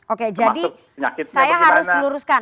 oke jadi saya harus luruskan